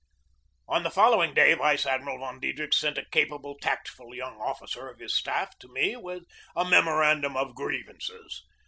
On the following day Vice Admiral von Diedrichs sent a capable, tactful young officer of his staff to me with a memorandum of grievances.